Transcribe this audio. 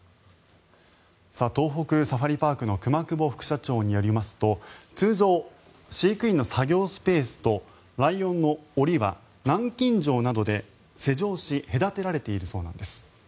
東北サファリパークの熊久保副社長によりますと通常、飼育員の作業スペースとライオンの檻は南京錠などで施錠し隔てられているそうなんです。